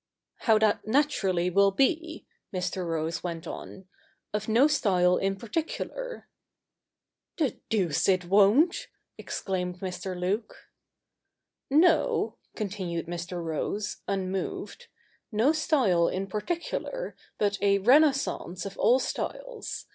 ' How that naturally will be,' Mr. Rose went on, ' of no style in particular.' ' The deuce it won't !' exclaimed Mr. Luke. 'No,' continued Mr. Rose, unmoved; 'no style in particular, but a renaissance of all styles.